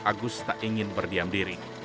agus tak ingin berdiam diri